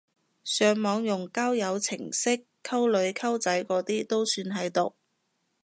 上網用交友程式溝女溝仔嗰啲都算係毒！